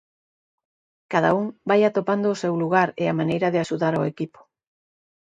Cada un vai atopando o seu lugar e a maneira de axudar o equipo.